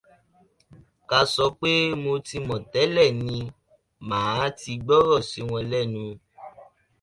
Ká sọ pé mo ti mọ̀ tẹ́lẹ̀ ni, màá ti gbọ́ràn sí wọn lẹ́nu